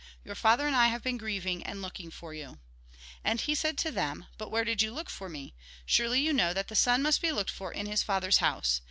Your father and I have been grieving, and looking for you." And he said to them :" But where did you look for me? Surely you know that the son must be looked for in his Father's house